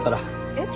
えっ？